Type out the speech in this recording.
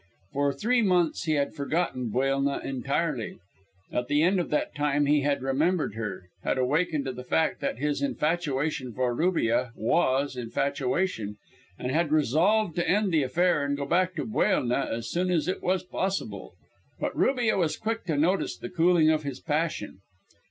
For three months he had forgotten Buelna entirely. At the end of that time he had remembered her had awakened to the fact that his infatuation for Rubia was infatuation, and had resolved to end the affair and go back to Buelna as soon as it was possible. But Rubia was quick to notice the cooling of his passion.